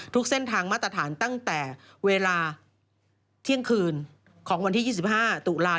เส้นทางมาตรฐานตั้งแต่เวลาเที่ยงคืนของวันที่๒๕ตุลาค